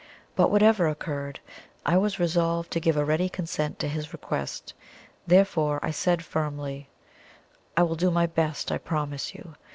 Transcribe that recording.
But whatever occurred I was resolved to give a ready consent to his request, therefore I said firmly: "I will do my best, I promise you.